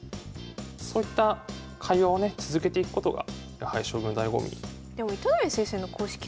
そういった会話をね続けていくことがやはり将棋のだいご味。